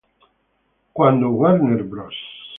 Cuando Warner Bros.